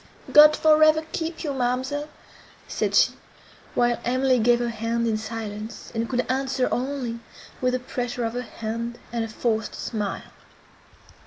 "God for ever keep you, ma'amselle!" said she, while Emily gave her hand in silence, and could answer only with a pressure of her hand, and a forced smile.